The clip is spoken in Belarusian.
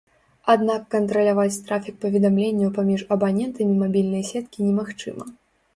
Аднак кантраляваць трафік паведамленняў паміж абанентамі мабільнай сеткі немагчыма.